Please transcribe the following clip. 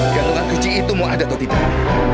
gantuan kunci itu mau ada atau tidak